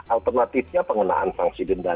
alternatifnya pengenaan sanksi genda